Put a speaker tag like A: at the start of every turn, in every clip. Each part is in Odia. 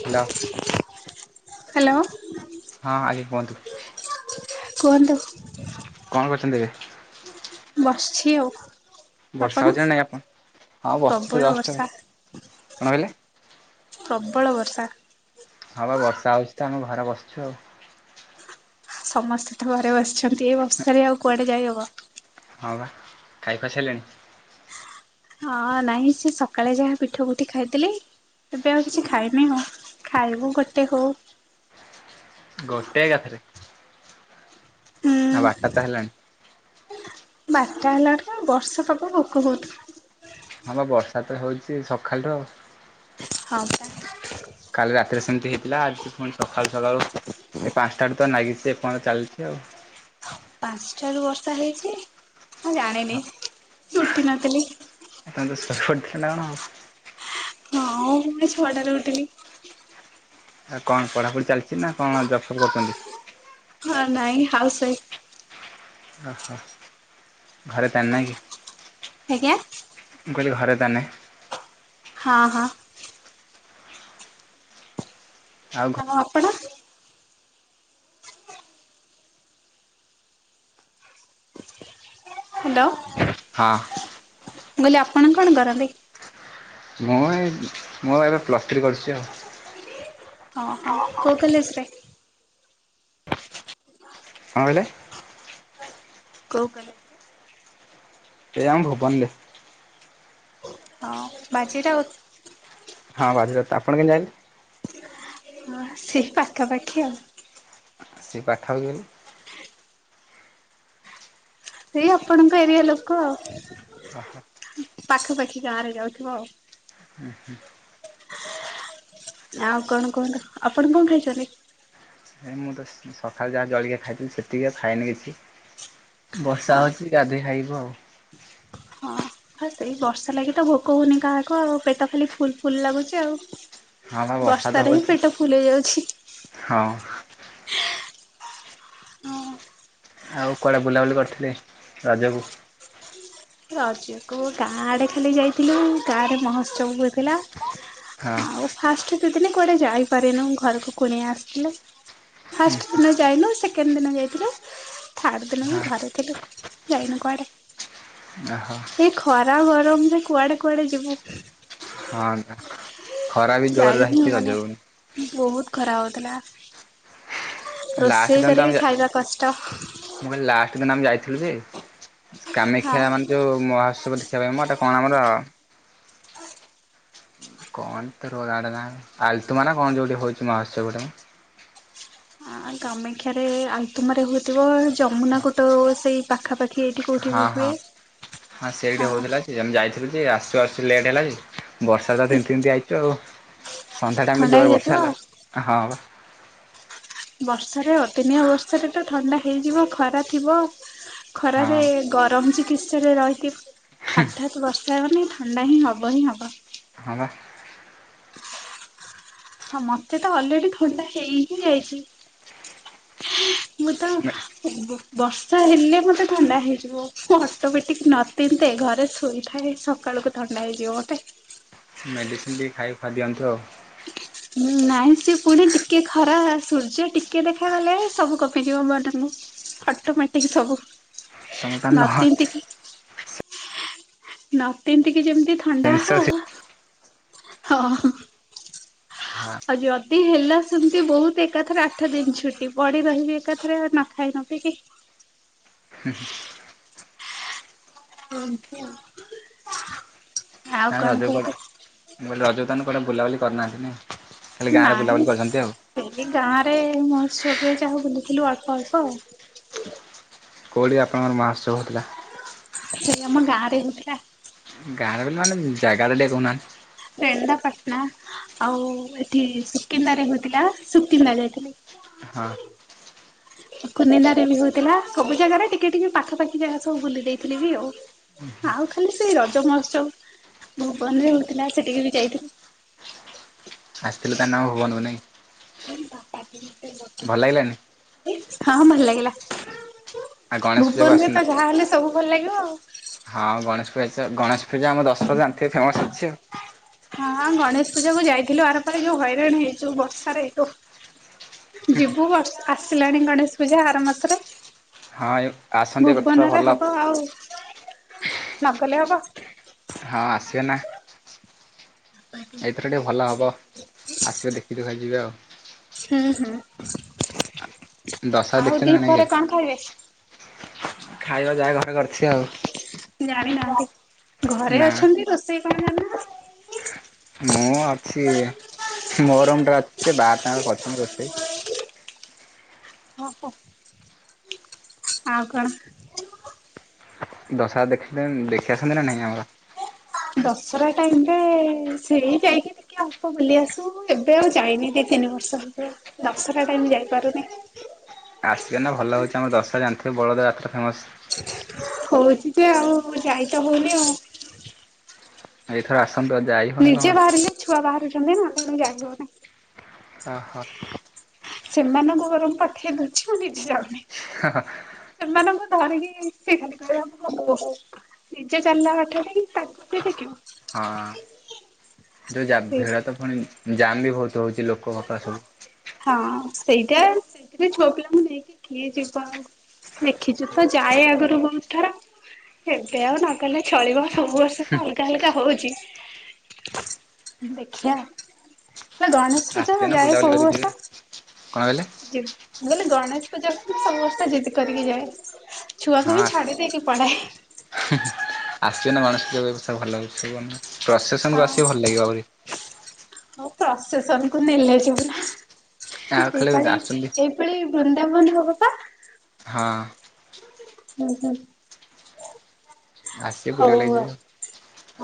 A: Hello
B: hello.
A: ହଁ ଆଗେ କୁହନ୍ତୁ।
B: କୁହନ୍ତୁ।
A: କଣ କରୁଛନ୍ତିଏଵେ?
B: ବସଛି ଆଉ। ଆପଣ?
A: ବର୍ଷା ହଉଛି ନାଇଁ ଆପଣ ହଁ ବସିଛି ତ
B: ପ୍ରବଳ
A: ଜଷ୍ଟ
B: ବର୍ଷା
A: କଣ କହିଲେ।
B: ପ୍ରବଳ ବର୍ଷା।
A: ହଁ ବା ବର୍ଷା ହଉଚି ତ ଆମ ଘରେ ବସିଛୁ ଆଉ।
B: ସମସ୍ତେ ତ ଘରେ ବସିଛନ୍ତି ଏଇ ବର୍ଷା ରେ ଆଉ କୁଆଡେ ଯାଇହବ।
A: ହଁ ବା ଖାଇ ଖୁଆ ସାଇଲେଣି?
B: ହଁ ନାଇଁ ସେ ସକାଳେ ଯାହା ପିଠପୁଠି ଖାଇିଥିଲି। ତବେ ଆଉ କିଛି ଖାଇନି ହଉ ଖାଇବୁ ଗୋଟେ ହଉ।
A: ଗୋଟେ କାଥରେ ଆଉ
B: ହୁଁ
A: ବାରଟା ତ ହେଲାଣି।
B: ବାରଟା ହେଲାର ତ ବର୍ଷା ପାଗ ଭୋକ ବହୁତ।
A: ହଁମ ବର୍ଷା ତ ହଉଛି ସକାଳ ରୁ ଆଉ।
B: ହଁପା।
A: କାଲି ରାତିରେ ସେମିତି ହେଇଥିଲା ଆଜି ପୁଣି ସଖାଳୁ ସଖାଳୁ ଏ ପାଞ୍ଚଟାଠୁ ତ ନାଗିଛି ଏ ପଯ୍ୟନ୍ତ ଚାଲିଛି ଆଉ।
B: ପାଞ୍ଚଟାରୁୁ ବର୍ଷା ହେଇଛି ମୁଁ
A: ହଁ
B: ଜାଣିନି ଉଠି ନଥିଲି।
A: ଏ ତ ଶୋଇପଡ଼ିଥିଲେ ନା କଣ?
B: ହଁ ହଉ ମୁଁ ଏଇ ଛ ଟାରେ ଉଠିଲି।
A: ଆଉ କଣ ପଢ଼ାପଢ଼ି ଚାଲିଛି ନା କଣ ଜବଫବ କରୁଛନ୍ତି?
B: ହଁ ନାଇଁ ହାଉସ ୱାଇଫ।
A: [unintelligible]
B: ଆଜ୍ଞା।
A: [unintelligible]
B: ହଁ ହଁ।
A: ଆଉ ଘ
B: ଆଉ ଆପଣ? ହ୍ୟାଲୋ।
A: ହଁ।
B: ମୁଁ କହିଲି ଆପଣ କଣ କରନ୍ତି?
A: ମୁଁ ଏଇ ମୁଁ ଏବେ ପ୍ଲସ ଥ୍ରୀ କରିଛି ଆଉ।
B: ହଁ ହଁ କୋଉ କଲେଜରେ?
A: କଣ କହିଲେ?
B: କୋଉ କଲେଜ?
A: ଏଇ ଆମ ଭୁବନରେ।
B: ବାଜିରାଉତ୍?
A: ହଁ ବାଜିରାଉତ୍ ଆପଣ କେମିତି ଜାଣିଲେ?
B: ହଁ ସେଇ ପାଖାପାଖି ଆଉ।
A: ସେ ପାଖାପାଖି ମାନେ?
B: ସେଇ ଆପଣଙ୍କ ଏରିଆ ଲୋକ ଆଉ।
A: ଓହୋ।
B: ପାଖପାଖି ଗାଁ ରେ ଯାଉଥିବ ଆଉ।
A: ହୁଁ ହୁଁ।
B: ଆଉ କଣ କୁହନ୍ତୁ ଆପଣ କଣ ଖାଇଛନ୍ତି?
A: ଏ ମୁଁ ତ ସକାଳେ ଯାହା ଜଳିଖିଆ ଖାଇଥିଲି, ସେତିକି ଖାଇନି କିଛି। ବର୍ଷା
B: ହଁ
A: ହଉଛି ଗାଧେଇ ଖାଇବୁ ଆଉ।
B: ହ ସେଇ ବର୍ଷା ଲାଗି ତ ଭୋକ ହଉନି କାହାକୁ ଆଉ ପେଟ ଖାଲି ଫୁଲ ଫୁଲ ଲାଗୁଛି ଆଉ।
A: ହଁ ବା ବର୍ଷା ତ
B: ବର୍ଷାରେ ହିଁ
A: ହଉଛି
B: ପେଟ ଫୁଲେଇ ଯାଉଛି।
A: ହଁ।
B: ହଁ
A: ଆଉ କୁଆଡ଼େ ବୁଲାବୁଲି କରିଥିଲେ ରଜକୁ?
B: ରଜକୁ ଗାଁ ଆଡ଼େ ଖାଲି ଯାଇଥିଲୁ, ଗାଁରେ ମହୋତ୍ସବ ହୋଇଥିଲା।
A: ହଁ।
B: ଫାଷ୍ଟ ଦୁଇଦିନ କୁଆଡେ ଯାଇପାରିନୁ ଘରକୁ କୁଣିଆ ଆସିଥିଲେ, ଫାଷ୍ଟ ଦିନ ଯାଇନୁ ସେକେ ସେକେଣ୍ଡ ଦିନ ଯାଇଥିଲୁ, ଥାର୍ଡ଼ ଦିନ ମୁଁ
A: ହଁ
B: ଘରେ ଥିଲୁ ଯାଇନୁ କୁଆଡ଼େ।
A: ଓହୋ।
B: ଏ ଖରା ଗରମ ରେ କୁଆଡେ କୁଆଡେ ଯିବୁ।
A: ହଁ। ଖରା ବି ଜୋରରେ
B: ଯାଇନି
A: ରହିଛି
B: ମାନେ
A: ରଜକୁ
B: ବହୁତ ଖରା ହଉଥିଲା।
A: ଲାଷ୍ଟ
B: ରୋଷେଇ
A: ଦିନ ତ ଆମେ
B: କରିକି
A: ଯା
B: ଖାଇବା କଷ୍ଟ।
A: ମୁଁ କହିଲି ଲାଷ୍ଟ ଦିନ ଆମେ ଯାଇଥିଲୁ ଯେ
B: ହଁ।
A: କାମାକ୍ଷା ମାନେ ଯୋଉ ମହୋତ୍ସବ ଦେଖିବା ପାଇଁ ମୁଁ ଏଟା କଣ ଆମର କଣ ତ ର ଗା ନା ଆଲତୁମା କଣ ଯେଉଠି ହଉଛି ମହୋସବ ଗଟେ
B: କାମାକ୍ଷାରେ ଆଲତୁମାରେ ହେଉଥିବ ଯମୁନା କୋଟ ସେଇ ପାଖାପାଖି ଏଇଠି କୋଉଠି
A: ହଁ
B: ବି
A: ହଁ
B: ହୁଏ
A: ସେଇଠି
B: ହଁ।
A: ହଉଥିଲା ଆମେ ଯାଇଥିଲୁ, ଯେ ଆସୁ ଆସୁ ଲେଟ୍ ହେଲା ଯେ ବର୍ଷା ତ ତିନ୍ତି ତିନ୍ତି ଆଇଛୁ ଆଉ। ସନ୍ଧ୍ୟା ଟାଇମରେ
B: ଥଣ୍ଡା
A: ଜୋରେ ବର୍ଷା
B: ହେଇଯାଇଥିବ ଆଉ।
A: ହେଲା ହଁ।
B: ବର୍ଷାରେ ଅଦିନିଆ ବର୍ଷାରେ ତ ଥଣ୍ଡା ହେଇଯିବ ଖରା ଥିବ ଖରାରେ
A: ହଁ
B: ଗରମ ଚିକିତ୍ସା ରେ ରହିକି ହଠାତ ବଷ ର୍ଷା ମାନେ ଥଣ୍ଡା ହିଁ ହବ ହିଁ ହବ।
A: ହଁ ବା।
B: ହଁ ମତେ ତ ଅଲରେଡି ଥଣ୍ଡା ହେଇକି ଯାଇଛି। ମୁଁ ତ ବ ବର୍ଷା ହେଲେ ମତେ ଥଣ୍ଡା ହେଇଯିବ। ମୁଁ ଅଟୋମେଟିକ ନତିନ୍ଧେ ଘରେ ଶୋଇଥାଏ ସକାଳକୁ ଥଣ୍ଡା ହେଇଯିବ ମୋତେ।
A: ମେଡ଼ିସିନ ଟିକେ ଖାଇ ଖୁଇ ଦିଅନ୍ତୁ ଆଉ।
B: [inaudible] ଉଁ ନାଇଁ ସିଏ ପୁଣି ଟିକେ ଖରା ସୂର୍ଯ୍ୟ ଟିକେ ଦେଖାଗଲେ ସବୁ କମି ଯିବ ମାନେ ମୁଁ। ଅଟୋମେଟିକ ସବୁ।
A: ତମେ ତା
B: ନ
A: ହେଲେ ନୁହଁ।
B: ତିନ୍ତିକି ନ ତିନ୍ତି କି ଯେମିତି ଥଣ୍ଡା
A: ସେନ୍ସରସିପ
B: ହଉ ହଁ
A: ହଁ
B: ଆଉ ଯଦି ହେଲା ସେମିତି ବହୁତ ଏକାଥରେ ଆଠ ଦିନ ଛୁଟି ପଡି ରହିବି ଏକାଥରେ ନ ଖାଇ ନ ପିଇକିି।
A: ହୁଁ ହୁଁ।
B: ଏମିତି ଆଉ। ଆଉ
A: କାଇଁ
B: କଣ
A: ରଜ ରେ
B: କହୁଛ
A: କୁଆଡେ ମୁଁ କଇଲି ରଜ ରେ ତାହେନେ କୁଆଡେ ବୁଲାବୁଲି କରି ନାହାନ୍ତି ନାଇ।
B: ନାଇଁ। ସେଇ ଗାଁ ରେ ମହୋତ୍ସବରେ ଯାହା ବୁଲିଥିଲୁ ଅଳ୍ପ ଅଳ୍ପ ଆଉ।
A: କୋଉଁଠି ଆପଣଙ୍କର ମହୋତ୍ସବ ହଉଥିଲା?
B: ହେଇ ଆମ ଗାଁରେ ହେଇଥିଲା।
A: ଗାଁ ରେ ବେଲି ମାନେ ଜାଗା ଟା ଟିକେ କହୁ ନାହାନ୍ତି।
B: ରେନ୍ଦାପାଟଣା ଆଉ ଏଠି ସୁକିନ୍ଦାରେ ହେଉଥିଲା, ସୁକିନ୍ଦା ଯାଇଥିଲି।
A: ହଁ।
B: ଆଉ କୁଣିଲାରେ ବି ହଉଥିଲା, ସବୁ ଜାଗାରେ ଟିକେ ଟିକେ ପାଖାପାଖି ଜାଗା ସବୁ ବୁଲି ଦେଇଥିଲି ବି ଆଉ‌। ଆଉ ଖାଲି ସେ ରଜ ମହୋତ୍ସବ ଭୁବନରେ ହଉଥିଲା ସେଠିକି ବି ଯାଇଥିଲି।
A: ଆସିଥିଲେ ତାନେ ଆମ ଭୁବନ କୁ ନାଇଁ। ଭଲ ଲାଗିଲାନି
B: ହଁ ଭଲ ଲାଗିଲା।
A: ଆଉ ଗଣେଶ ପୂଜାକୁ
B: ଭୁବନ ରେ
A: ଆସୁନା
B: ତ ଯାହା ହେଲେ ସବୁ ଭଲ ଲାଗିବ ଆଉ।
A: ହଁ ଗଣେଶ ପୂଜା ଗଣେଶ ପୂଜା ଆମର ଦଶରା ଜାଣିଥିବେ ଫେମସ ଅଛି ଆଉ।
B: ହଁ ଗଣେଶ ପୂଜାକୁ ଯାଇଥିଲୁ ଆର ପାଳି ଯୋଉ ହଇରାଣ ହେଇଛୁ ବର୍ଷାରେ ଓଃ। ଯିବୁ ବ ଆସିଲାଣି ଗଣେଶ ପୂଜା ଆର ମାସରେ।
A: ହଁ ଏ।
B: ଭୁବନ ରେ ହବ ଆଉ ନ ଗଲେ ହବ।
A: ହଁ ଆସିବେ ନା। ଏଇଥର ଟିକେ ଭଲ ହବ ଆସିବେ ଦେଖି ଦୁଖା କି ଯିବେ ଆଉ।
B: ହୁଁ ହୁଁ
A: ଦଶହରା
B: ଆଉ
A: ଦେଖିଛନ୍ତି
B: ଦି
A: ନା ନାଇଁ କେବେ?
B: ପହରେ କଣ ଖାଇବେ ‌
A: ଖାଇବା ଯାହା ଘରେ କରିଥିବେ ଆଉ ‌।
B: ଜାଣି ନାହାନ୍ତି ଘରେ
A: ନା
B: ଅଛନ୍ତି ରୋଷେଇ କଣ ଜାଣି ନାହାନ୍ତି।
A: ମୁଁ ଅଛି ମୋ ରୁମ୍ ଟା ରେ ଅଛି ସେ ବାହାରେ ତାଙ୍କର କରିଛନ୍ତି ରୋଷେଇ।
B: ଓ ହୋ ଆଉ କଣ।
A: ଦଶହରା ଦେଖି ଲେଣି ଦେଖି ଆସନ୍ତି ନା ନାଇଁ ଆମର ‌।
B: ଦଶରା ଟାଇମ ରେ ସେଇ ଯାଇକି ଟି କେ ଅଳ୍ପ ବୁଲି ଆସୁ ଏବେ ଆଉ ଯାଇନି ଦି ତିନି ବର୍ଷ ହେଇ ଯିବ ଦଶରା ଟାଇମ ଯାଇ ପାରୁନି।
A: ଆସିବେ ନା ଭଲ ହଉଛି ଆମର ଦଶରା ଜାଣିଥିବେ ବଳଦ ଯାତ୍ରା ଫେମସ୍।
B: ହଉଛି ଯେ ଆଉ ଯାଇତ ହଉନି ଆଉ।
A: ଏଇଥର ଆସନ୍ତୁ ଆଉ ଯାଇ ହଉନି
B: ନିଜେ
A: କଣ।
B: ବାହାରିଲେ ଛୁଆ ବାହାରୁଛନ୍ତି ନା ତେଣୁ ଯାଇ ହଉନି।
A: ଓ ହୋ।
B: ସେମାନଙ୍କୁ ବରଙ୍ଗ ପଠେଇ ଦଉଛି ମୁଁ ନିଜେ ଯାଉନି।
A: ହଁ ହଁ।
B: ସେମାନଙ୍କୁ ଧରିକି ସେ [unintelligible] ନିଜେ ଚାଲିଲା ବାଟରେ ତାକୁ କିଏ ଦେଖିବ?
A: ହଁ ଯୋଉ
B: ସେଇଠି।
A: ଯାତ୍ରା ତ ପୁଣି। ଜାଲି ବହୁତ ହଉଛି ଲୋକ କଥା ସବୁ।
B: ହଁ ସେଇଟା ସେଥିରେ ବ୍ଲେମ ନେଇକି କିଏ ଯିବ ଆଉ। ଦେଖିଛୁ ତ ଯାଏ ଆଗରୁ ବହୁତ ଥର ଏବେ ଆଉ ନାଇ। କହିଲେ ଚଳିବ ସବୁ ବର୍ଷ ତ ଅଲଗା ଅଲଗା ହଉଛି। ଦେଖିିବା ଆଉ ବା ଗଣେଶ ପୂଜା
A: ଆସିବେ ନା
B: ଯାଏ
A: ବୁଲାବୁଲି
B: ସବୁ
A: କରିକି ଯିବେ
B: ବର୍ଷ।
A: କଣ କହିଲେ
B: ଯେ ମୁଁ କହିଲି ଗଣେଶ ପୂଜା ସମସ୍ତେ ଜିଦି କରିକି ଯାଏ। ଛୁଆକୁ ବି ଛାଡ଼ି ଦେଇକି ପଳାଏ।
A: ହୁଁ ଆସିବେ ନା ଗଣେଶ ପୂଜା କୁ ଏ ବର୍ଷ ଭଲ ଲାଗୁଛି [unintelligible] ପ୍ରସେସନ୍ କୁ ଆସିବ ଭଲ ଲାଗିବ ଆହୁରି।
B: ହଁ ପ୍ରସାସନ କୁ ନେଲେ
A: ଆଉ
B: ଯିବୁ ଏ
A: ଖାଲି
B: ପାଳି
A: ଆସୁଛନ୍ତି
B: ଏ ଏ ପାଳି ବୃନ୍ଦାବନ ହବ ବା।
A: ହଁ।
B: ହୁଁ ହୁଁ
A: ଆସିବେ ବୁଲି ବୁଲାକି
B: ହଉ ଆଉ।
A: ଯିବେ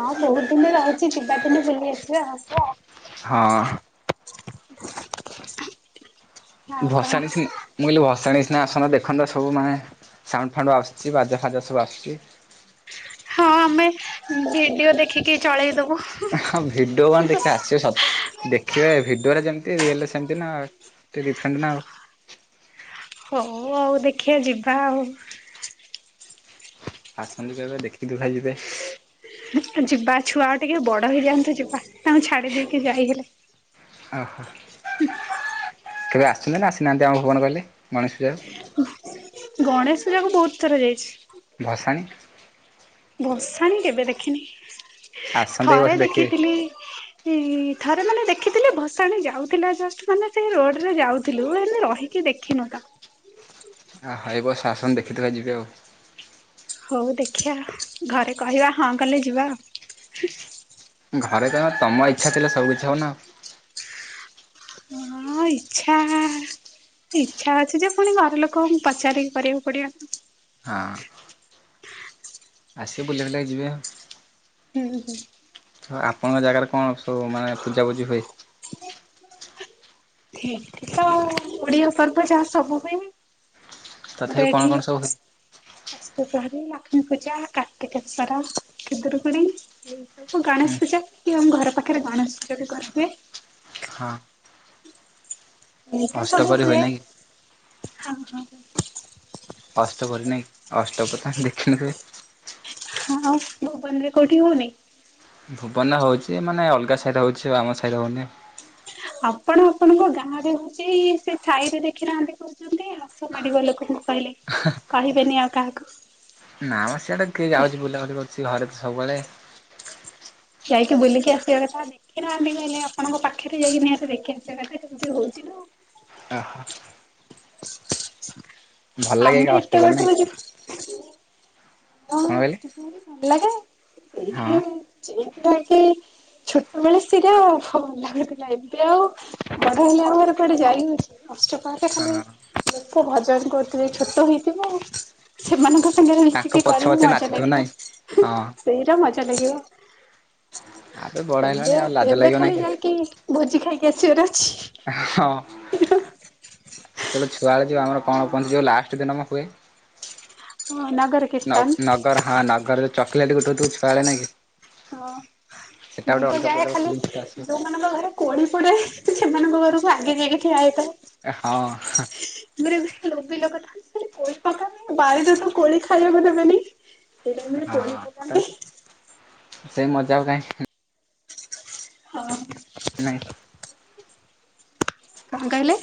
B: ହଁ ବହୁତ ଦିନ ରହୁଛି ଯିବା ଦିନେ ବୁଲି ଆସିବା ଆଉ।
A: ହଁ।
B: ଆଉ କଣ
A: ଭସାଣି ଆସି ନ ମୁଁ କହିଲି ଭସାଣି କି ସିନା ଆସନ ଦେଖନ୍ତ ସବୁ ମାନେ ସାଉଣ୍ଡ ଫାଉଣ୍ଡ ଆସୁଛି ବାଜା ଫାଜା ସବୁ ଆସୁଛି।
B: ହଁ ଆମେ ଭିଡିଓ ଦେଖିକି ଚଳେଇଦବୁ।
A: ହ ଭିଡିଓ କଣ ଦେଖିଲେ ଆସିବ ସତ୍ ଦେଖିବେ ଭିଡ଼ିଓରେ ଯେମିତି ରିଏଲରେ ସେମିତି ନା ଟିକେ ଡିଫରେଣ୍ଟ ନା ଆଉ।
B: ହଉ ଆଉ ଦେଖିବା ଯିବା ଆଉ।
A: ଆସନ୍ତୁ କେବେ ଦେଖି ଦୁଖା ଯିବେ?
B: ଯିବା ଛୁଆ ଆଉ ଟିକେ ବଡ ହେଇଯାଆନ୍ତୁ ଯିବା ତାଙ୍କୁ ଛାଡି ଦେଇକି ଯାଇ ହେଲେ।
A: ଓହୋ କେବେ ଆସିଛ ନା ଆସିନାହାନ୍ତି ଆମ ଭୁବନକୁ କହିଲେ ଗଣେଷ ପୂଜାକୁ?
B: ଗଣେଶ ପୂଜା କୁ ବହୁତ ଥର ଯାଇଛି।
A: ଭଷାଣି?
B: ଭସାଣି କେବେ ଦେଖିନି
A: ଆସନ୍ତେ ଏଇ ବର୍ଷ
B: ଥରେ
A: ଦେଖିବେ
B: ଦେଖିଥିଲି ଚି ଥରେ ମାନେ ଦେଖିଥିଲେ ଭସାଣି ଯାଉଥିଲା ଜଷ୍ଟ ମାନେ ସେ ରୋଡ଼ରେ ଯାଉଥିଲୁ ହେଲେ ରହି କି ଦେଖିନୁ ତ
A: ଆହା ଏବର୍ଷ ଆସନ୍ତୁ ଦେଖିଥିବା ଯିବେ ଆଉ।
B: ହଉ ଦେଖିବା ଘରେ କହିବା ହଁ କଲେ ଯିବା ଆଉ।
A: ଘରେ କହିବ ତମ ଇଚ୍ଛା ଥିଲେ ସବୁ କିଛି ହବ ନା।
B: ହଁ ଇଚ୍ଛା ଇଚ୍ଛା ଅଛି ଯେ ପୁଣି ଘର ଲୋକଙ୍କୁ ପଚାରିକି କରିବାକୁ ପଡ଼ିବ ନା
A: ହଁ। ଆସିବେ ବୁଲିବାୁଲା କି ଯିବେ ଆଉ।
B: ହୁଁ ହୁଁ।
A: ତ ଆପଣଙ୍କ ଜାଗାରେ କଣ ସବୁ ମାନେ ପୂଜାପୂଜି ହୁଏ?
B: ଏଇଠି ତ ଓଡିଆ ପର୍ବ ଯାହା ସବୁ ହୁଏ। ଆମର
A: ତଥାପି କଣ
B: ଏଇଠି
A: କଣ ସବୁ
B: ଅ
A: ହୁଏ?
B: ଅଷ୍ଟପହରୀ ଲକ୍ଷ୍ମୀ ପୂଜା କାର୍ତ୍ତିକେଶ୍ୱର ଖୁଦୁରୁକୁଣୀ ଆ
A: ହୁଁ
B: ଗଣେଶ ପୂଜା କି ଆମ ଘର ପାଖରେ ଗଣେଶ ପୂଜା ବି କରା ହୁଏ।
A: ହଁ।
B: ଏଇତ ସବୁ
A: ଅଷ୍ଟପହରି
B: ହୁଏ
A: ନାଇଁ କି
B: ହଁ ହଁ।
A: ଅଷ୍ଟ ପ୍ରହରୀ ନାହିଁ ଅଷ୍ଟ ପ୍ରହରୀ ଦେଖିନୁ କେବେ?
B: ଆଉ ଭୁବନ ରେ କୋଉଠି ହଉନି?
A: ଭୁବନ ରେ ହଉଚି ଯେ ମାନେ ଅଲଗା ସାଇ ରେ ହଉଚି ଆଉ ଆମ ସାଇ ରେ ହଉନି।
B: ଆପଣ ଆପଣଙ୍କ ଗାଁରେ ହଉଚି ସେ ସାଇରେ ଦେଖିନାହାନ୍ତି କୋ [unintelligible]
A: ନାମ ସିଆଡ଼େ କିଏ ଯାଉଚି ବୁଲାବୁଲି କରୁଚି ଘରେ ତ ସବୁବେଳେ
B: ଯାଇକି ବୁଲିକି ଆସିବା କଥା କିଏ ନାହାନ୍ତି ଏଇନା ଆପଣଙ୍କ ପାଖେରେ ଯାଇକି ନିହାତି ଦେଖି ଆସିବା କେମିତି ହଉଚି ନା।
A: [unintelligible] ଭଲ ଲାଗେ ଏକା
B: ଆମେ ଏତେ
A: ଅଷ୍ଟପ୍ରହରୀ ନାଇଁ
B: ବାଟରୁ ଯିବୁ
A: କଣ କହିଲେ
B: [unintelligible] ଝିଅ
A: ହଁ
B: ପିଲାହେଇକି ଛୋଟବେଳେ ସେଟା ଭଲଲାଗୁଥିଲା ଏବେ ଆଉ ବଡ଼ ହେଲେ ଆଉ କଣ କୁଆଡ଼େ ଯାଇ ହଉଛି ଅଷ୍ଟ ପାହାଟ ଖାଲି
A: ହଁ।
B: ଲୋକ ଭଜନ କରୁଥିବେ ଛୋଟ ହେଇଥିବ ଆଉ। ସେମାନଙ୍କ ସାଙ୍ଗରେ
A: ତାଙ୍କ
B: ମିଶିକି
A: ପଛେ
B: କରିବୁ
A: ପଛେ
B: ମଜା
A: ନାଚୁଥିବ
B: ଲାଗିବ
A: ନାଇଁ
B: ହୁ
A: ହଁ
B: ସେଇରା ମଜା ଲାଗିବ।
A: ଆବେ ବଡ
B: ଏବେ
A: ହେଲାଣି ଆଉ ଲାଜ
B: ଏବେ
A: ଲାଗିବ ନାଇଁ
B: ଖାଲି
A: କି
B: ଯାଇକି ଭୋଜି ଖାଇକି ଆସିବାର ଅଛି।
A: ହଁ ସେତେବେଳେ ଛୁଆବେଳେ ଯୋଉ ଆମର କଣ କୁହନ୍ତି ଯୋଉ ଲାଷ୍ଟେ ଦିନ ହୁଏ?
B: ହଁ ନଗର କୀର୍ତ୍ତନ
A: ନଗର ହଁ ନଗର ଯୋଉ ଚକଲେଟ ଗୋଟଉ ଥିବୁ ଛୁଆବେଳେ ନାଇଁ କି।
B: ହଁ
A: ସେଟା
B: ମୁଁ
A: ଗୋଟେ
B: ତ
A: ଅଲଗା
B: ଯାଏ
A: ପ୍ରକାର
B: ଖାଲି
A: ଫିଲିଙ୍ଗସ୍ ଟା
B: ଯୋ
A: ଆସିବ।
B: ସେମାନଙ୍କ ଘରେ କୋଳି ପୋଡ଼େ ସେମାନଙ୍କ ଘରକୁ ଆଗେ ଯାଇକି ଠିଆ ହେଇଥାଏ।
A: ହଁ।
B: ଆଗରେ ଏମିତି ଲୋଭି ଲୋକ ଥାଆନ୍ତି ମାନେ କୋଳି ପକାନ୍ତି ବାରିରେ ସେ କୋଳି ଖାଇବାକୁ ଦେବେନି। ସେଇ ଟାଇମିରେ କୋଳି ପକାନ୍ତି।
A: ସେଇ ମଜା ଆଉ କାହିଁ
B: ହଁ।
A: ନାଇଁ।
B: କଣ କହିଲେ?